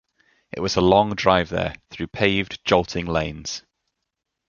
It was a long drive there, through paved jolting lanes.